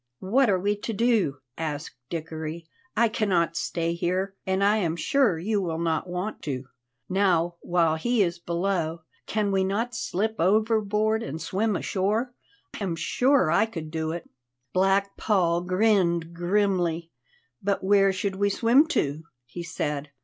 "What are we to do!" asked Dickory. "I cannot stay here, and I am sure you will not want to. Now, while he is below, can we not slip overboard and swim ashore? I am sure I could do it." Black Paul grinned grimly. "But where should we swim to?" he said.